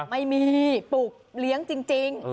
ไม่มีปลูกเลี้ยงจริง